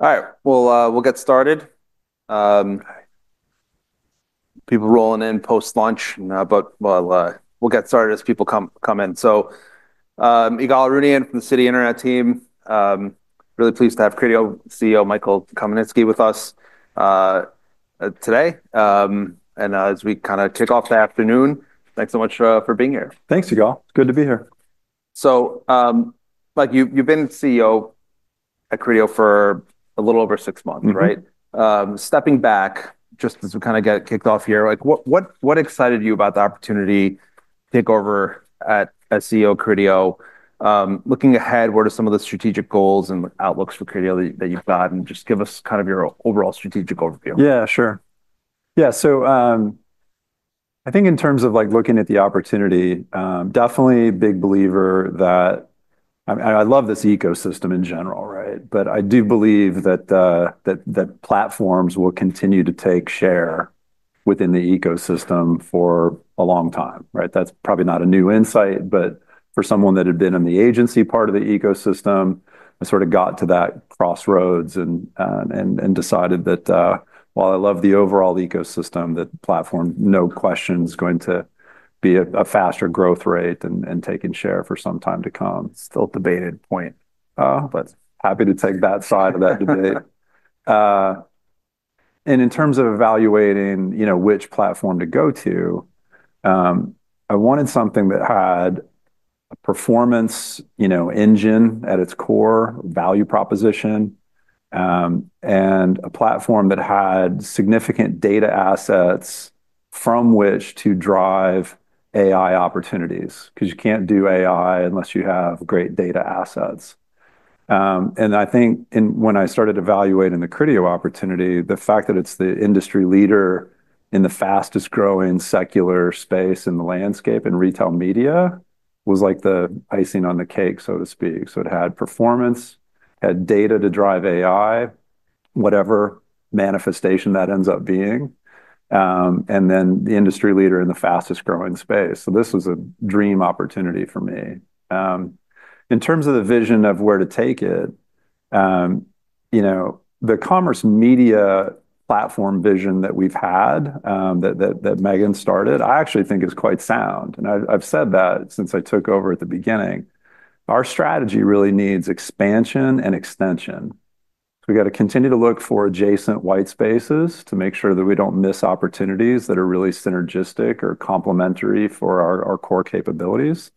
All right, we'll get started. People rolling in post-launch, but we'll get started as people come in. You got Arounian from the Citi International Team. Really pleased to have Criteo CEO Michael Komasinski with us today. As we kind of kick off the afternoon, thanks so much for being here. Thanks, Ygal. Good to be here. Mike, you've been CEO at Criteo for a little over six months, right? Stepping back, just as we kind of get kicked off here, what excited you about the opportunity to take over as CEO of Criteo? Looking ahead, what are some of the strategic goals and outlooks for Criteo that you've got? Just give us kind of your overall strategic overview. Yeah, sure. I think in terms of looking at the opportunity, definitely a big believer that I love this ecosystem in general, right? I do believe that platforms will continue to take share within the ecosystem for a long time, right? That's probably not a new insight, but for someone that had been in the agency part of the ecosystem, I sort of got to that crossroads and decided that while I love the overall ecosystem, that platform, no question, is going to be a faster growth rate and taking share for some time to come. Still a debated point, happy to take that side of that debate. In terms of evaluating which platform to go to, I wanted something that had a performance engine at its core, value proposition, and a platform that had significant data assets from which to drive AI opportunities. You can't do AI unless you have great data assets. I think when I started evaluating the Criteo opportunity, the fact that it's the industry leader in the fastest growing secular space in the landscape in retail media was like the icing on the cake, so to speak. It had performance, it had data to drive AI, whatever manifestation that ends up being, and then the industry leader in the fastest growing space. This was a dream opportunity for me. In terms of the vision of where to take it, the commerce media platform vision that we've had, that Megan started, I actually think is quite sound. I've said that since I took over at the beginning. Our strategy really needs expansion and extension. We've got to continue to look for adjacent white spaces to make sure that we don't miss opportunities that are really synergistic or complementary for our core capabilities.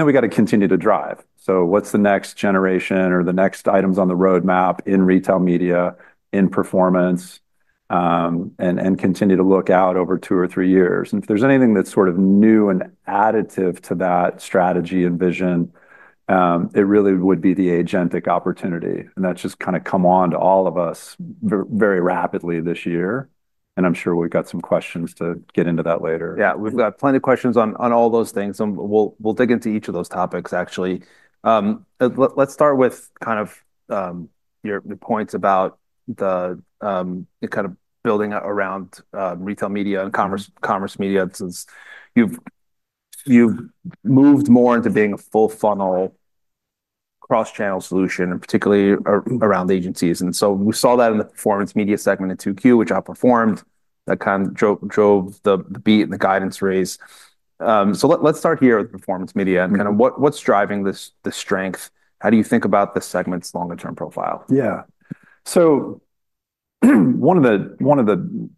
We've got to continue to drive. What's the next generation or the next items on the roadmap in retail media, in performance, and continue to look out over two or three years? If there's anything that's sort of new and additive to that strategy and vision, it really would be the agentic opportunity. That's just kind of come on to all of us very rapidly this year. I'm sure we've got some questions to get into that later. Yeah, we've got plenty of questions on all those things. We'll dig into each of those topics, actually. Let's start with your points about building around retail media and commerce media. You've moved more into being a full funnel, cross-channel solution, particularly around agencies. We saw that in the performance media segment in Q2, which outperformed. That drove the beat in the guidance raise. Let's start here with performance media and what's driving this strength. How do you think about the segment's longer-term profile? Yeah, one of the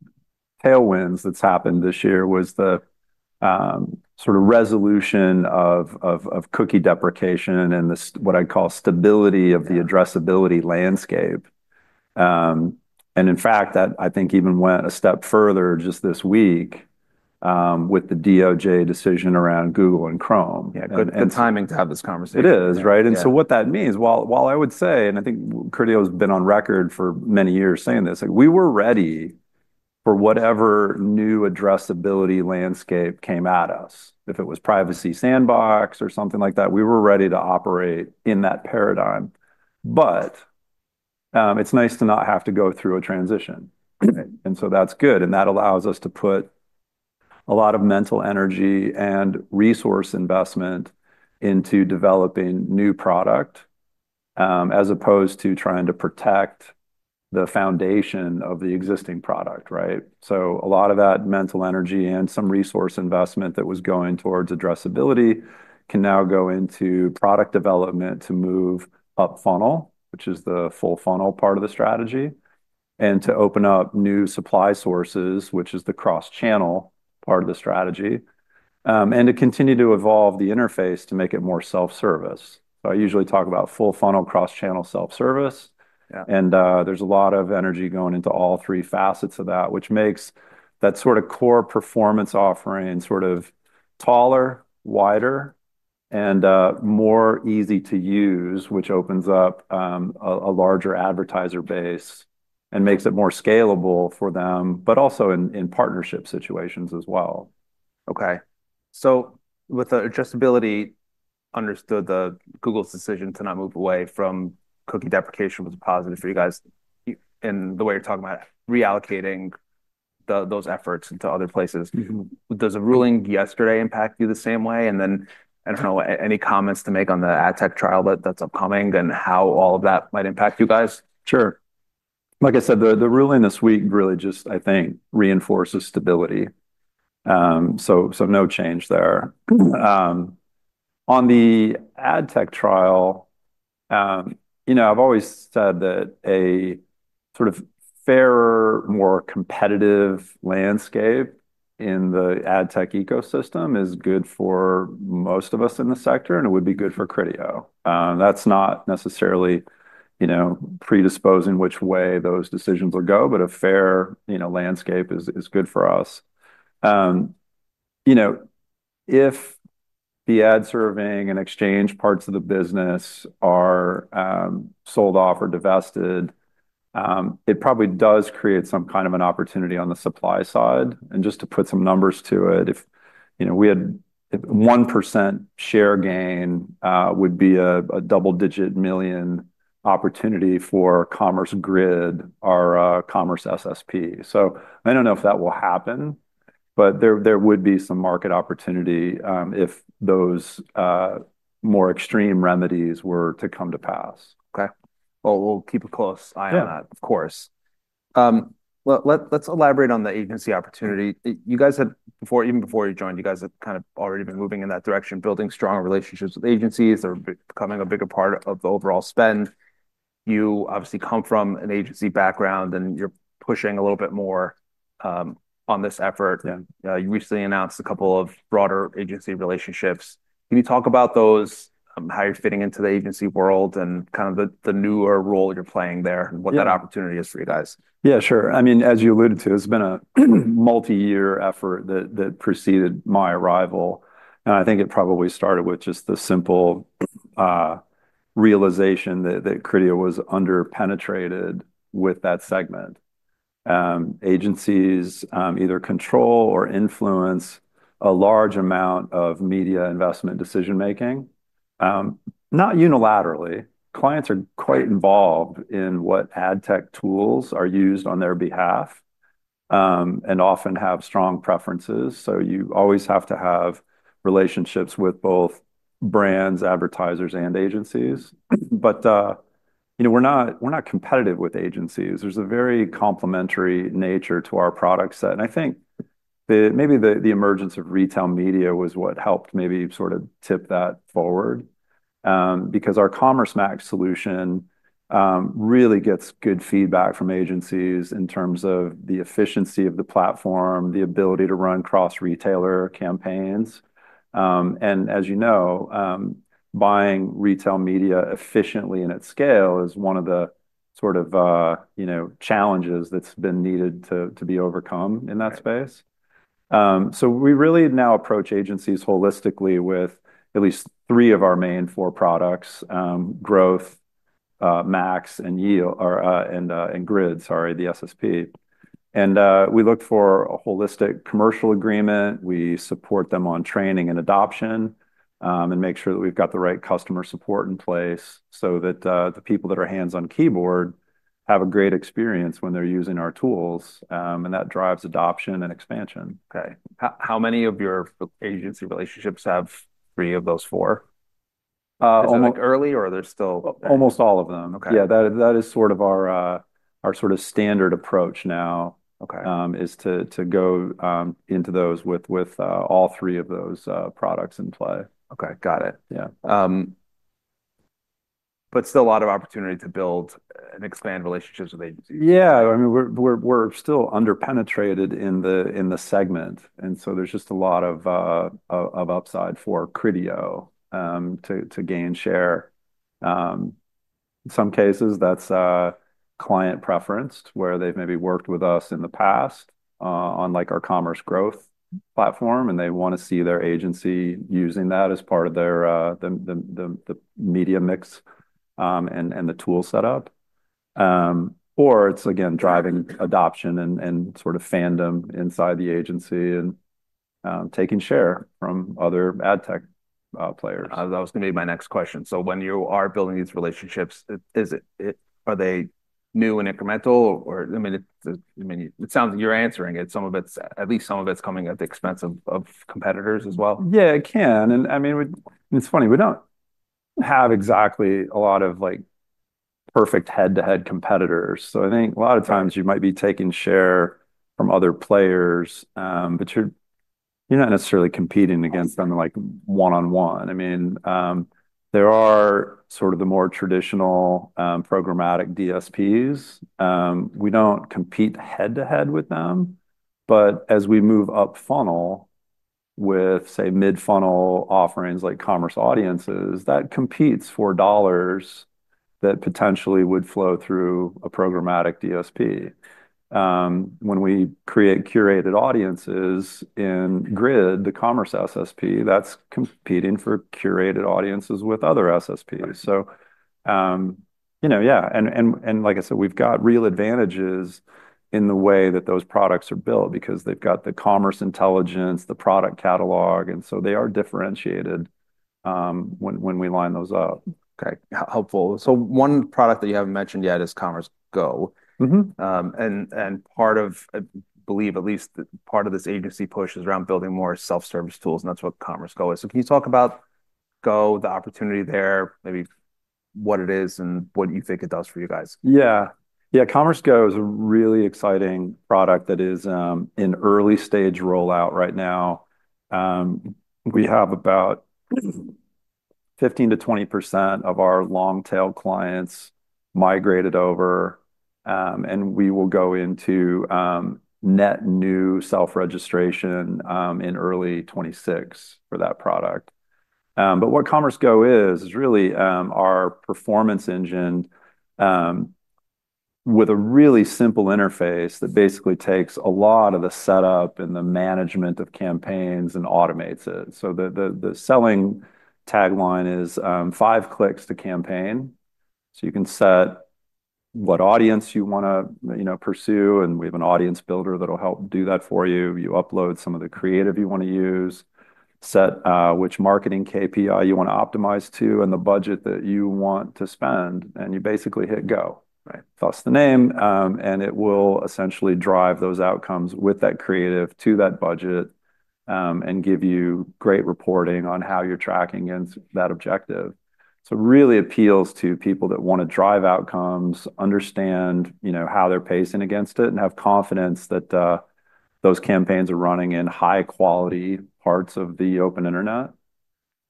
tailwinds that's happened this year was the sort of resolution of cookie deprecation and what I'd call stability of the addressability landscape. In fact, I think that even went a step further just this week with the Department of Justice decision around Google and Chrome. Yeah, good timing to have this conversation. It is, right? What that means, while I would say, and I think Criteo has been on record for many years saying this, we were ready for whatever new addressability landscape came at us. If it was Privacy Sandbox or something like that, we were ready to operate in that paradigm. It's nice to not have to go through a transition. That allows us to put a lot of mental energy and resource investment into developing new product, as opposed to trying to protect the foundation of the existing product, right? A lot of that mental energy and some resource investment that was going towards addressability can now go into product development to move up funnel, which is the full funnel part of the strategy, to open up new supply sources, which is the cross-channel part of the strategy, and to continue to evolve the interface to make it more self-service. I usually talk about full funnel, cross-channel, self-service. There's a lot of energy going into all three facets of that, which makes that sort of core performance offering sort of taller, wider, and more easy to use, which opens up a larger advertiser base and makes it more scalable for them, also in partnership situations as well. Okay, with the addressability, understood that Google's decision to not move away from cookie deprecation was a positive for you guys. The way you're talking about reallocating those efforts into other places, does the ruling yesterday impact you the same way? Any comments to make on the ad tech trial that's upcoming and how all of that might impact you guys? Sure. Like I said, the ruling this week really just, I think, reinforces stability. No change there. On the ad tech trial, I've always said that a sort of fairer, more competitive landscape in the ad tech ecosystem is good for most of us in the sector, and it would be good for Criteo. That's not necessarily predisposing which way those decisions will go, but a fair landscape is good for us. If the ad-serving and exchange parts of the business are sold off or divested, it probably does create some kind of an opportunity on the supply side. Just to put some numbers to it, if we had 1% share gain, it would be a double-digit million opportunity for Commerce Grid, our Commerce Grid Supply-Side Platform. I don't know if that will happen, but there would be some market opportunity if those more extreme remedies were to come to pass. Okay. We'll keep a close eye on that, of course. Let's elaborate on the agency opportunity. You guys had, even before you joined, kind of already been moving in that direction, building strong relationships with agencies. They're becoming a bigger part of the overall spend. You obviously come from an agency background, and you're pushing a little bit more on this effort. You recently announced a couple of broader agency relationships. Can you talk about those, how you're fitting into the agency world and kind of the newer role you're playing there and what that opportunity is for you guys? Yeah, sure. I mean, as you alluded to, it's been a multi-year effort that preceded my arrival. I think it probably started with just the simple realization that Criteo was underpenetrated with that segment. Agencies either control or influence a large amount of media investment decision-making, not unilaterally. Clients are quite involved in what ad tech tools are used on their behalf and often have strong preferences. You always have to have relationships with both brands, advertisers, and agencies. We're not competitive with agencies. There's a very complementary nature to our product set. I think maybe the emergence of retail media was what helped maybe sort of tip that forward because our Commerce Max DSP solution really gets good feedback from agencies in terms of the efficiency of the platform, the ability to run cross-retailer campaigns. As you know, buying retail media efficiently in its scale is one of the sort of challenges that's been needed to be overcome in that space. We really now approach agencies holistically with at least three of our main four products: Commerce Growth, Commerce Max, and Commerce Grid, sorry, the SSP. We look for a holistic commercial agreement. We support them on training and adoption and make sure that we've got the right customer support in place so that the people that are hands-on keyboard have a great experience when they're using our tools. That drives adoption and expansion. Okay. How many of your agency relationships have three of those four? Is it like early, or are they still? Almost all of them. Okay. Yeah, that is our standard approach now. Is to go into those with all three of those products in play. Okay, got it. Yeah. is still a lot of opportunity to build and expand relationships with. Yeah, I mean, we're still underpenetrated in the segment, and so there's just a lot of upside for Criteo to gain share. In some cases, that's client preference, where they've maybe worked with us in the past on our Commerce Growth platform, and they want to see their agency using that as part of their media mix and the tool setup. It's again driving adoption and sort of fandom inside the agency and taking share from other ad tech players. That was going to be my next question. When you are building these relationships, are they new and incremental? I mean, it sounds like you're answering it. Some of it's, at least some of it's coming at the expense of competitors as well? Yeah, it can. I mean, it's funny, we don't have exactly a lot of like perfect head-to-head competitors. I think a lot of times you might be taking share from other players, but you're not necessarily competing against them like one-on-one. There are sort of the more traditional programmatic DSPs. We don't compete head-to-head with them. As we move up funnel with, say, mid-funnel offerings like Commerce Audiences, that competes for dollars that potentially would flow through a programmatic DSP. When we create curated audiences in Commerce Grid, the Commerce SSP, that's competing for curated audiences with other SSPs. We've got real advantages in the way that those products are built because they've got the Commerce Intelligence, the product catalog, and so they are differentiated when we line those up. Okay, helpful. One product that you haven't mentioned yet is Commerce Go. Part of, I believe at least part of this agency push is around building more self-service tools, and that's what Commerce Go is. Can you talk about Go, the opportunity there, maybe what it is and what you think it does for you guys? Yeah, yeah, Commerce Go is a really exciting product that is in early stage rollout right now. We have about 15%- 20% of our long-tail clients migrated over, and we will go into net new self-registration in early 2026 for that product. What Commerce Go is, is really our performance engine with a really simple interface that basically takes a lot of the setup and the management of campaigns and automates it. The selling tagline is five clicks to campaign. You can set what audience you want to pursue, and we have an audience builder that'll help do that for you. You upload some of the creative you want to use, set which marketing KPI you want to optimize to, and the budget that you want to spend, and you basically hit go. Thus the name, and it will essentially drive those outcomes with that creative to that budget and give you great reporting on how you're tracking against that objective. It really appeals to people that want to drive outcomes, understand how they're pacing against it, and have confidence that those campaigns are running in high-quality parts of the open internet.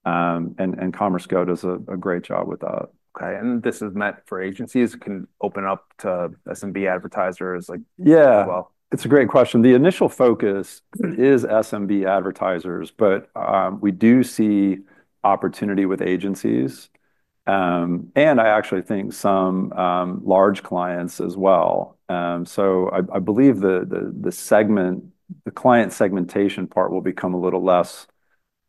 Commerce Go does a great job with that. Okay, and this is meant for agencies? It can open up to SMB advertisers as well? Yeah, it's a great question. The initial focus is SMB advertisers, but we do see opportunity with agencies, and I actually think some large clients as well. I believe the client segmentation part will become a little less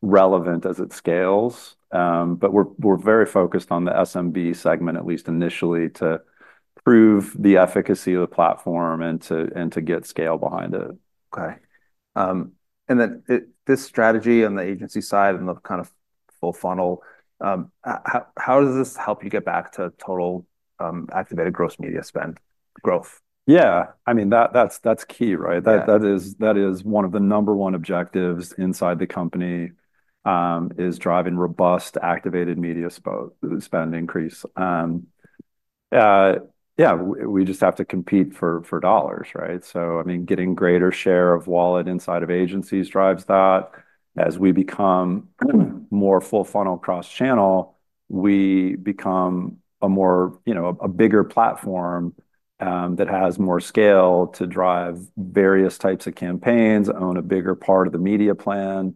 relevant as it scales, but we're very focused on the SMB segment, at least initially, to prove the efficacy of the platform and to get scale behind it. Okay, this strategy on the agency side and the kind of full funnel, how does this help you get back to total activated gross media spend growth? Yeah, I mean, that's key, right? That is one of the number one objectives inside the company, is driving robust activated media spend increase. We just have to compete for dollars, right? I mean, getting greater share of wallet inside of agencies drives that. As we become more full funnel cross-channel, we become a bigger platform that has more scale to drive various types of campaigns, own a bigger part of the media plan.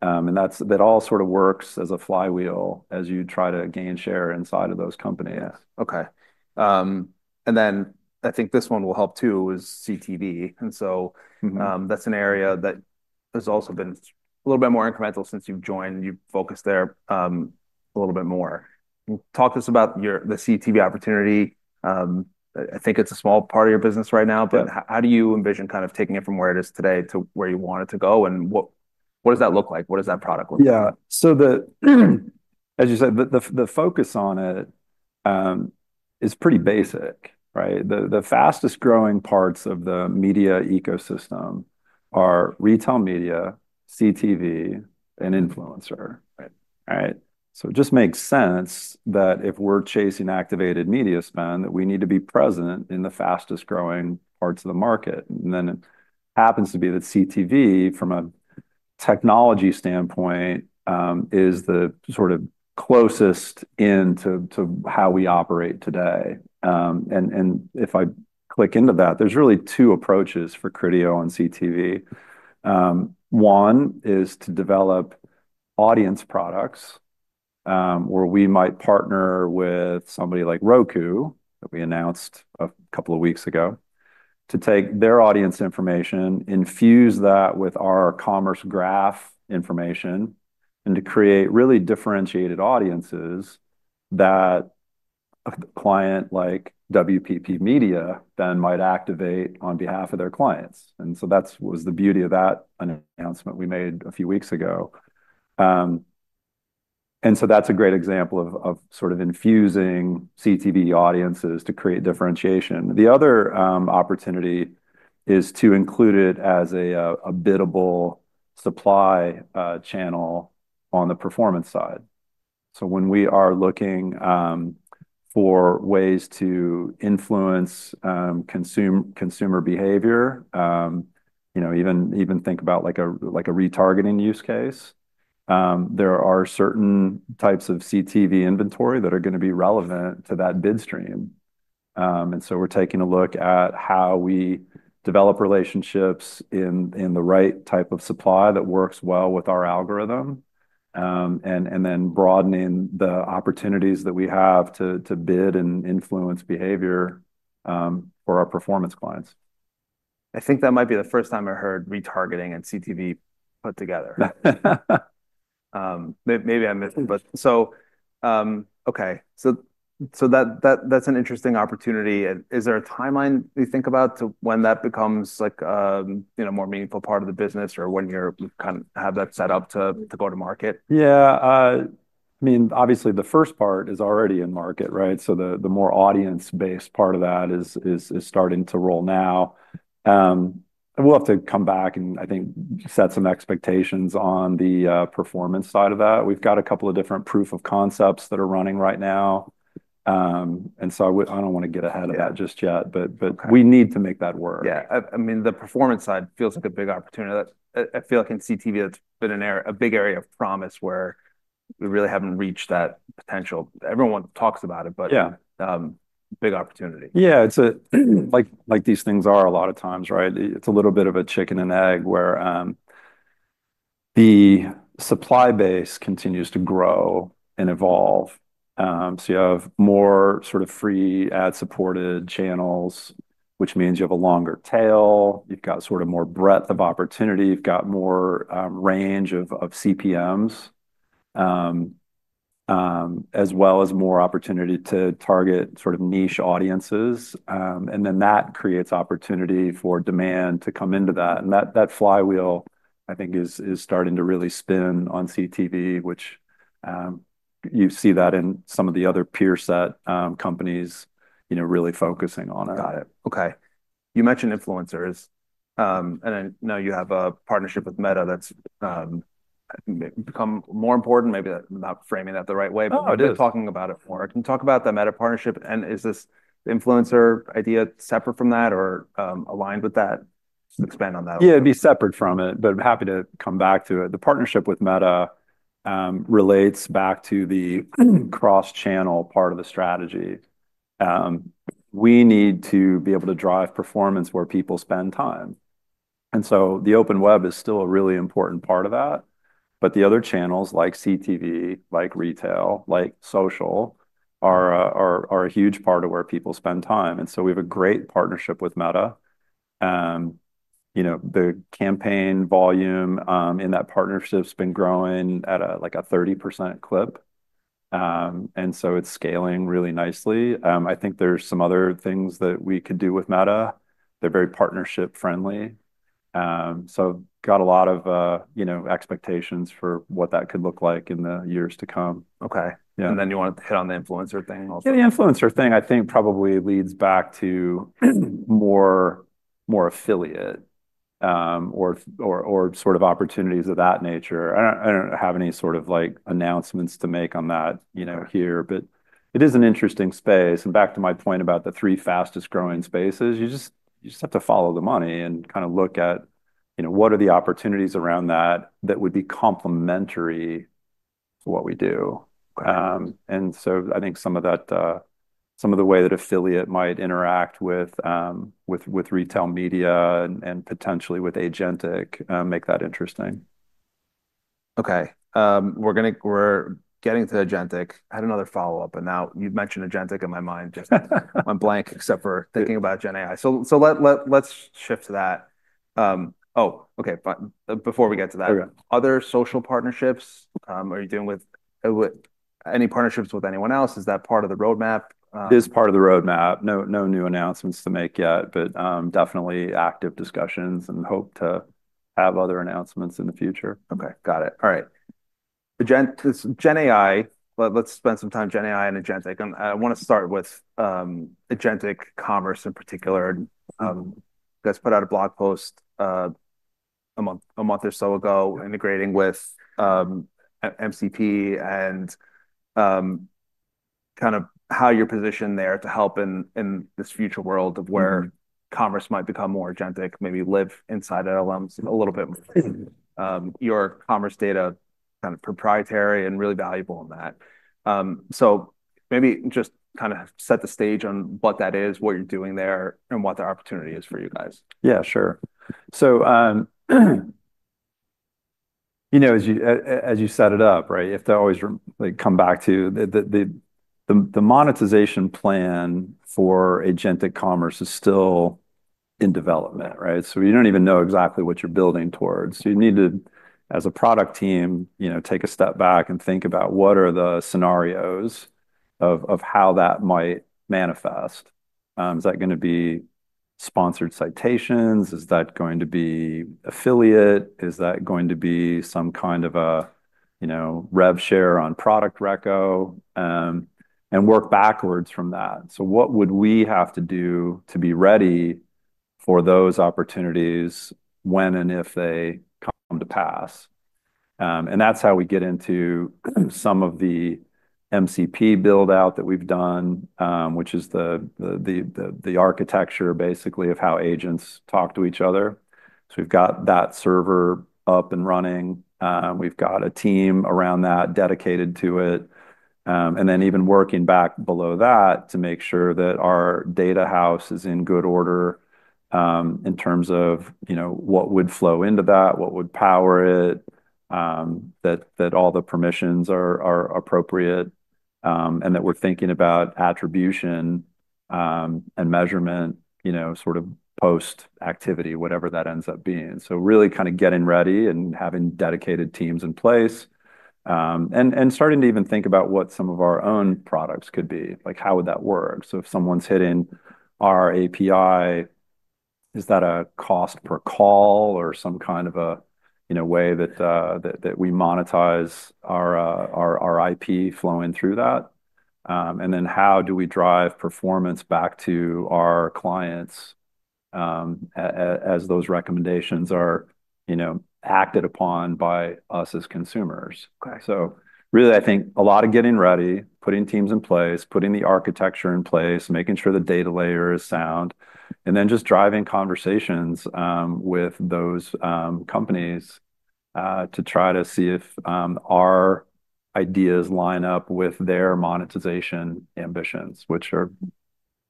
That all sort of works as a flywheel as you try to gain share inside of those companies. Okay, I think this one will help too, is CTV. That's an area that has also been a little bit more incremental since you've joined. You've focused there a little bit more. Talk to us about the CTV opportunity. I think it's a small part of your business right now, but how do you envision kind of taking it from where it is today to where you want it to go? What does that look like? What does that product look like? Yeah, as you said, the focus on it is pretty basic, right? The fastest growing parts of the media ecosystem are retail media, CTV, and influencer, right? It just makes sense that if we're chasing activated media spend, we need to be present in the fastest growing parts of the market. It happens to be that CTV, from a technology standpoint, is the sort of closest end to how we operate today. If I click into that, there's really two approaches for Criteo on CTV. One is to develop audience products where we might partner with somebody like Roku that we announced a couple of weeks ago to take their audience information, infuse that with our Commerce Graph information, and create really differentiated audiences that a client like WPP Media then might activate on behalf of their clients. That was the beauty of that announcement we made a few weeks ago. That's a great example of infusing CTV audiences to create differentiation. The other opportunity is to include it as a biddable supply channel on the performance side. When we are looking for ways to influence consumer behavior, even think about like a retargeting use case, there are certain types of CTV inventory that are going to be relevant to that bid stream. We're taking a look at how we develop relationships in the right type of supply that works well with our algorithm, and then broadening the opportunities that we have to bid and influence behavior for our performance clients. I think that might be the first time I've heard retargeting and CTV put together. Maybe I missed it. That's an interesting opportunity. Is there a timeline you think about to when that becomes like a more meaningful part of the business or when you kind of have that set up to go to market? Yeah, I mean, obviously the first part is already in market, right? The more audience-based part of that is starting to roll now. We'll have to come back and I think set some expectations on the performance side of that. We've got a couple of different proof of concepts that are running right now. I don't want to get ahead of that just yet, but we need to make that work. Yeah, I mean, the performance side feels like a big opportunity. I feel like in CTV, that's been a big area of promise where we really haven't reached that potential. Everyone talks about it, but a big opportunity. Yeah, it's like these things are a lot of times, right? It's a little bit of a chicken and egg where the supply base continues to grow and evolve. You have more sort of free ad-supported channels, which means you have a longer tail. You've got more breadth of opportunity, more range of CPMs, as well as more opportunity to target sort of niche audiences. That creates opportunity for demand to come into that. That flywheel, I think, is starting to really spin on CTV, which you see in some of the other peer set companies, you know, really focusing on it. Got it. Okay. You mentioned influencers. I know you have a partnership with Meta that's become more important. Maybe I'm not framing that the right way, but I'm talking about it more. Can you talk about the Meta partnership? Is this influencer idea separate from that or aligned with that? Expand on that. Yeah, it'd be separate from it, but I'm happy to come back to it. The partnership with Meta relates back to the cross-channel part of the strategy. We need to be able to drive performance where people spend time. The open web is still a really important part of that. The other channels like CTV, like retail, like social are a huge part of where people spend time. We have a great partnership with Meta. The campaign volume in that partnership has been growing at like a 30% clip, and it's scaling really nicely. I think there's some other things that we could do with Meta. They're very partnership-friendly. I've got a lot of expectations for what that could look like in the years to come. Okay. Do you want to hit on the influencer thing? Yeah, the influencer thing I think probably leads back to more affiliate or sort of opportunities of that nature. I don't have any sort of like announcements to make on that here, but it is an interesting space. Back to my point about the three fastest growing spaces, you just have to follow the money and kind of look at what are the opportunities around that that would be complementary to what we do. I think some of that, some of the way that affiliate might interact with retail media and potentially with agentic make that interesting. Okay. We're getting to agentic. I had another follow-up, and now you've mentioned agentic in my mind. I'm blank except for thinking about GenAI. Let's shift to that. Okay. Before we get to that, other social partnerships, are you dealing with any partnerships with anyone else? Is that part of the roadmap? It is part of the roadmap. No new announcements to make yet, but definitely active discussions and hope to have other announcements in the future. Okay. Got it. All right. GenAI, let's spend some time on GenAI and agentic. I want to start with agentic commerce in particular. You guys put out a blog post a month or so ago integrating with MCP and kind of how you're positioned there to help in this future world where commerce might become more agentic, maybe live inside large language models a little bit more. Your commerce data is kind of proprietary and really valuable in that. Maybe just set the stage on what that is, what you're doing there, and what the opportunity is for you guys. Yeah, sure. As you set it up, right, to always come back to the monetization plan for agentic commerce is still in development, right? You don't even know exactly what you're building towards. You need to, as a product team, take a step back and think about what are the scenarios of how that might manifest. Is that going to be sponsored citations? Is that going to be affiliate? Is that going to be some kind of a rev share on product reco, and work backwards from that? What would we have to do to be ready for those opportunities when and if they come to pass? That's how we get into some of the MCP buildout that we've done, which is the architecture basically of how agents talk to each other. We've got that server up and running. We've got a team around that dedicated to it, even working back below that to make sure that our data house is in good order in terms of what would flow into that, what would power it, that all the permissions are appropriate, and that we're thinking about attribution and measurement, sort of post-activity, whatever that ends up being. Really kind of getting ready and having dedicated teams in place, and starting to even think about what some of our own products could be, like how would that work? If someone's hitting our API, is that a cost per call or some kind of a way that we monetize our IP flowing through that? How do we drive performance back to our clients as those recommendations are acted upon by us as consumers? I think a lot of getting ready, putting teams in place, putting the architecture in place, making sure the data layer is sound, and just driving conversations with those companies to try to see if our ideas line up with their monetization ambitions, which are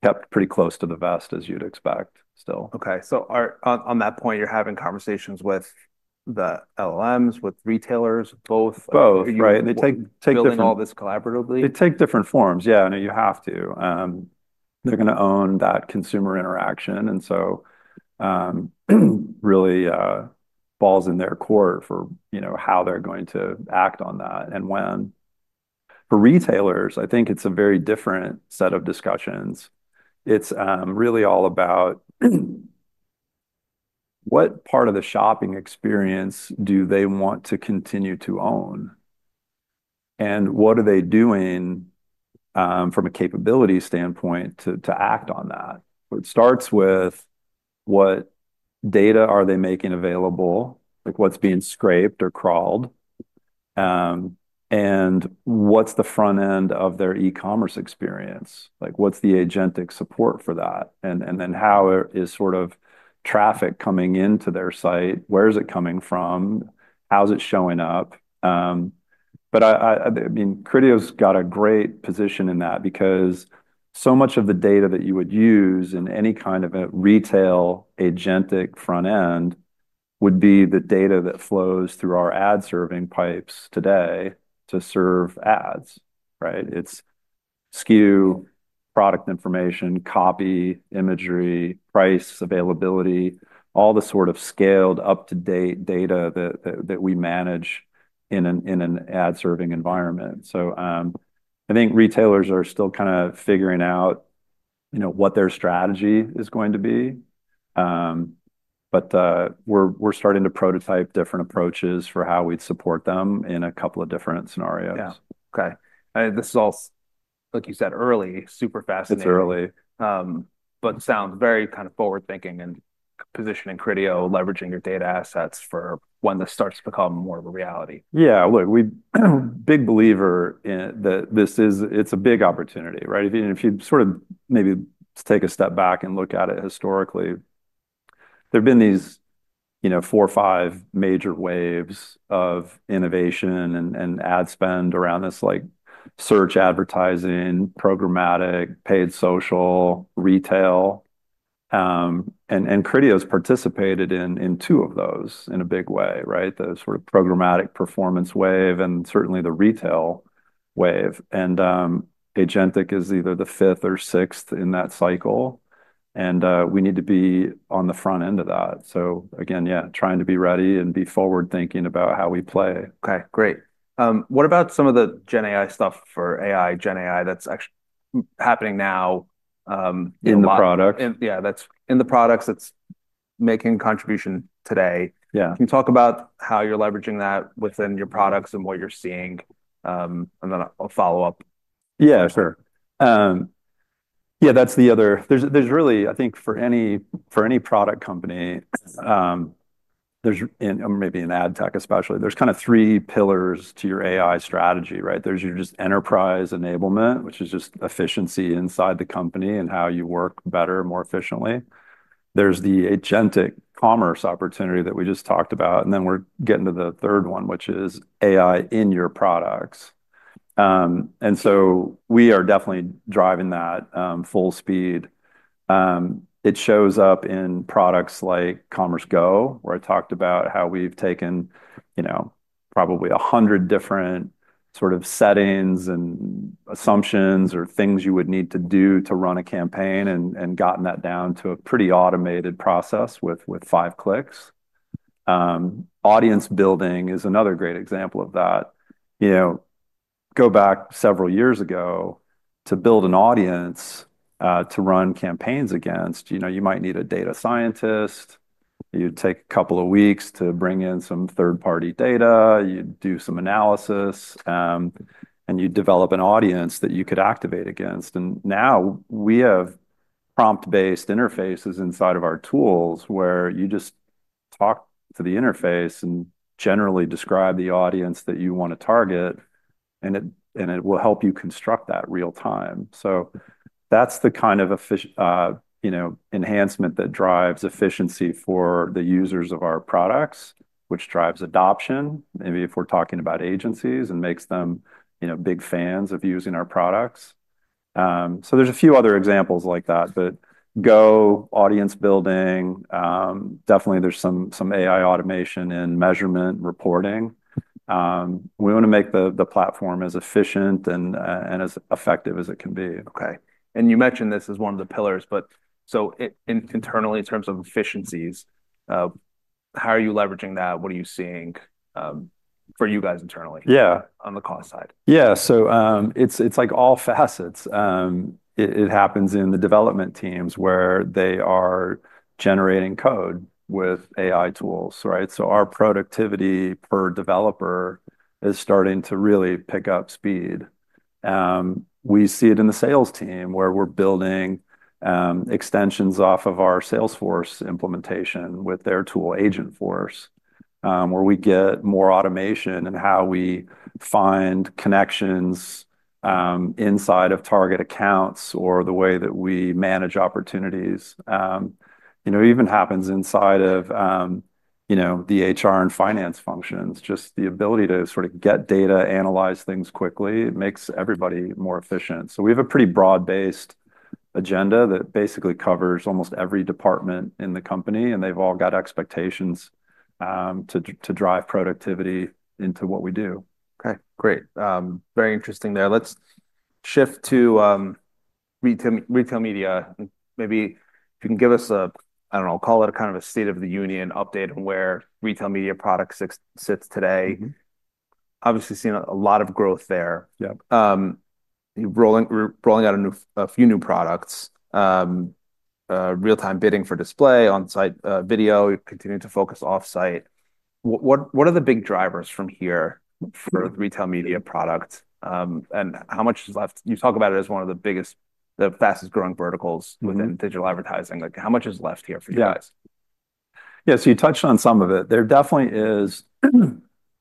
kept pretty close to the vest, as you'd expect still. Okay, on that point, you're having conversations with the large language models, with retailers, both? Both, right. They're building all this collaboratively? They take different forms, yeah, and you have to. They're going to own that consumer interaction. It really falls in their court for, you know, how they're going to act on that and when. For retailers, I think it's a very different set of discussions. It's really all about what part of the shopping experience do they want to continue to own, and what are they doing from a capability standpoint to act on that? It starts with what data are they making available, like what's being scraped or crawled, and what's the front end of their e-commerce experience, like what's the agentic support for that. Then how is sort of traffic coming into their site, where is it coming from, how's it showing up? I mean, Criteo's got a great position in that because so much of the data that you would use in any kind of a retail agentic front end would be the data that flows through our ad-serving pipes today to serve ads, right? It's SKU, product information, copy, imagery, price, availability, all the sort of scaled up-to-date data that we manage in an ad-serving environment. I think retailers are still kind of figuring out, you know, what their strategy is going to be. We're starting to prototype different approaches for how we'd support them in a couple of different scenarios. Yeah, okay. This is all, like you said, early. Super fascinating. It's early. That sounds very kind of forward-thinking and positioning Criteo, leveraging your data assets for when this starts to become more of a reality. Yeah, look, we're a big believer in that this is a big opportunity, right? If you sort of maybe take a step back and look at it historically, there have been these four or five major waves of innovation and ad spend around this, like search advertising, programmatic, paid social, retail. Criteo's participated in two of those in a big way, the sort of programmatic performance wave and certainly the retail wave. Agentic is either the fifth or sixth in that cycle. We need to be on the front end of that. Again, yeah, trying to be ready and be forward-thinking about how we play. Okay, great. What about some of the GenAI stuff for AI, GenAI that's actually happening now? In the product? Yeah, that's in the products that's making contribution today. Yeah. Can you talk about how you're leveraging that within your products and what you're seeing? I'll follow up. Yeah, sure. That's the other, there's really, I think for any product company, or maybe in ad tech especially, there's kind of three pillars to your AI strategy, right? There's your just enterprise enablement, which is just efficiency inside the company and how you work better, more efficiently. There's the agentic commerce opportunity that we just talked about. We're getting to the third one, which is AI in your products. We are definitely driving that full speed. It shows up in products like Commerce Go, where I talked about how we've taken, you know, probably 100 different sort of settings and assumptions or things you would need to do to run a campaign and gotten that down to a pretty automated process with five clicks. Audience building is another great example of that. Go back several years ago to build an audience to run campaigns against, you might need a data scientist. You'd take a couple of weeks to bring in some third-party data. You'd do some analysis, and you'd develop an audience that you could activate against. Now we have prompt-based interfaces inside of our tools where you just talk to the interface and generally describe the audience that you want to target, and it will help you construct that real time. That's the kind of enhancement that drives efficiency for the users of our products, which drives adoption, maybe if we're talking about agencies, and makes them big fans of using our products. There are a few other examples like that, but Go audience building, definitely there's some AI automation in measurement and reporting. We want to make the platform as efficient and as effective as it can be. Okay. You mentioned this as one of the pillars. Internally, in terms of efficiencies, how are you leveraging that? What are you seeing for you guys internally? Yeah. On the cost side? Yeah, it's like all facets. It happens in the development teams where they are generating code with AI tools, right? Our productivity per developer is starting to really pick up speed. We see it in the sales team where we're building extensions off of our Salesforce implementation with their tool Agentforce, where we get more automation in how we find connections inside of target accounts or the way that we manage opportunities. It even happens inside of the HR and finance functions. Just the ability to sort of get data, analyze things quickly makes everybody more efficient. We have a pretty broad-based agenda that basically covers almost every department in the company, and they've all got expectations to drive productivity into what we do. Okay, great. Very interesting there. Let's shift to retail media. Maybe if you can give us a, I don't know, call it a kind of a state of the union update on where retail media products sit today. Obviously, seeing a lot of growth there. Yeah. Rolling out a few new products, real-time bidding for display, on-site video, continuing to focus off-site. What are the big drivers from here for the retail media product? How much is left? You talk about it as one of the biggest, the fastest growing verticals within digital advertising. How much is left here for you guys? Yeah, so you touched on some of it. There definitely is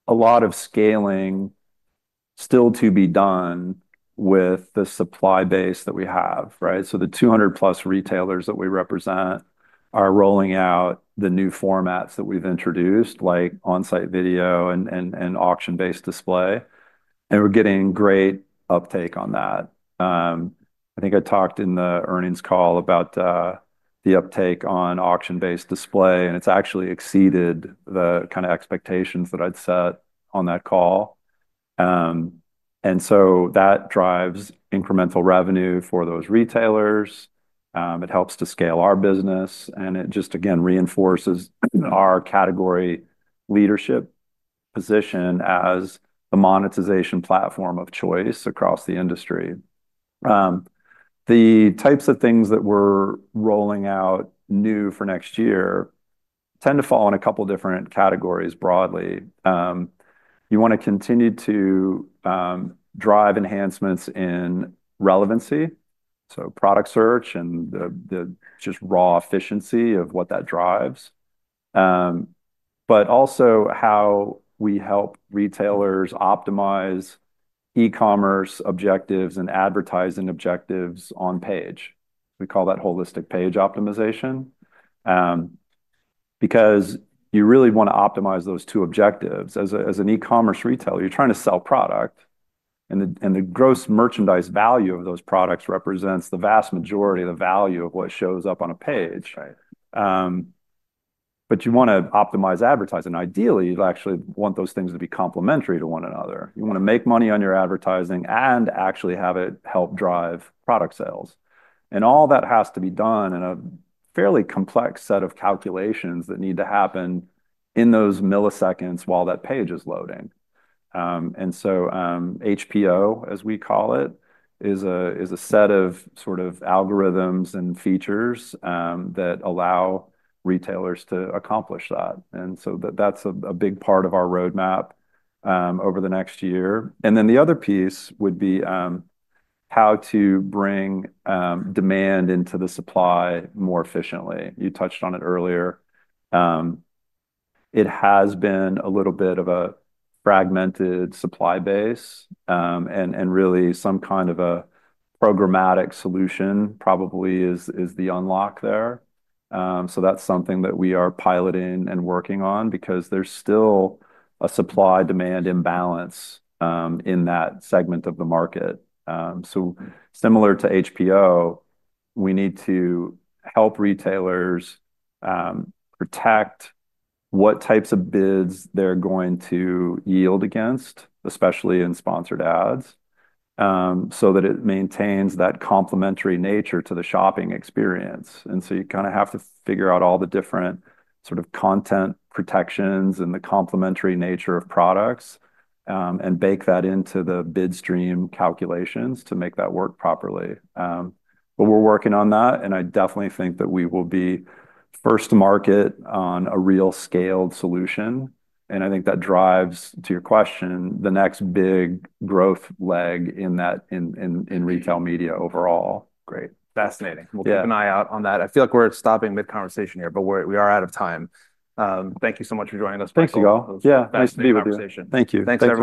a lot of scaling still to be done with the supply base that we have, right? The 200+ retailers that we represent are rolling out the new formats that we've introduced, like on-site video and auction-based display. We're getting great uptake on that. I think I talked in the earnings call about the uptake on auction-based display, and it's actually exceeded the kind of expectations that I'd set on that call. That drives incremental revenue for those retailers. It helps to scale our business, and it just, again, reinforces our category leadership position as the monetization platform of choice across the industry. The types of things that we're rolling out new for next year tend to fall in a couple of different categories broadly. You want to continue to drive enhancements in relevancy, so product search and the just raw efficiency of what that drives, but also how we help retailers optimize e-commerce objectives and advertising objectives on page. We call that Holistic Page Optimization. You really want to optimize those two objectives. As an e-commerce retailer, you're trying to sell product, and the gross merchandise value of those products represents the vast majority of the value of what shows up on a page. You want to optimize advertising. Ideally, you actually want those things to be complementary to one another. You want to make money on your advertising and actually have it help drive product sales. All that has to be done in a fairly complex set of calculations that need to happen in those milliseconds while that page is loading. HPO, as we call it, is a set of sort of algorithms and features that allow retailers to accomplish that. That's a big part of our roadmap over the next year. The other piece would be how to bring demand into the supply more efficiently. You touched on it earlier. It has been a little bit of a fragmented supply base, and really some kind of a programmatic solution probably is the unlock there. That's something that we are piloting and working on because there's still a supply-demand imbalance in that segment of the market. Similar to HPO, we need to help retailers protect what types of bids they're going to yield against, especially in sponsored ads, so that it maintains that complementary nature to the shopping experience. You kind of have to figure out all the different sort of content protections and the complementary nature of products and bake that into the bid stream calculations to make that work properly. We're working on that, and I definitely think that we will be first to market on a real scaled solution. I think that drives, to your question, the next big growth leg in retail media overall. Great. Fascinating. We'll keep an eye out on that. I feel like we're stopping mid-conversation here, but we are out of time. Thank you so much for joining us. Thanks, Ygal. Yeah, nice to be with you. Thank you. Thanks very much.